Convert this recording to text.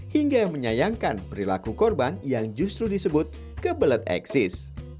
hingga yang menyayangkan perilaku korban yang justru disebut kebelet eksis